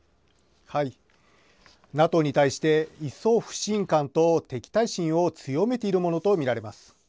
ＮＡＴＯに対して、一層不信感と敵対心を強めているものと見られます。